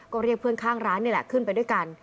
ก็เรียกเพื่อนข้างร้านนี่แหละขึ้นไปด้วยกัน